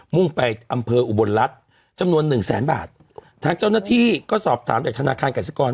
่งไปอำเภออุบลรัฐจำนวนหนึ่งแสนบาททางเจ้าหน้าที่ก็สอบถามจากธนาคารกสิกร